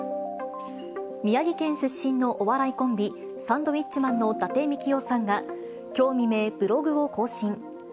宮城県出身のお笑いコンビ、サンドウィッチマンの伊達みきおさんがきょう未明、ブログを更新。